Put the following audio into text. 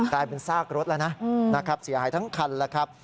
กลายเป็นซากรถแล้วนะนะครับเสียหายทั้งคันแล้วครับ